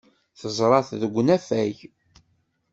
Teẓra-t deg unafag.